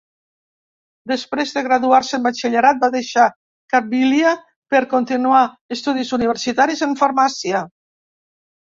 Després de graduar-se en batxillerat va deixar Cabília per continuar estudis universitaris en Farmàcia.